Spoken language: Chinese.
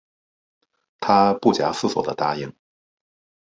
她不假思索的答应